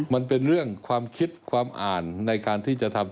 มันเป็นเรื่องความคิดความอ่านในการที่จะทำ